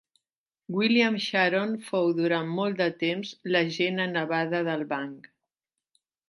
William Sharon fou durant molt de temps l'agent a Nevada del banc.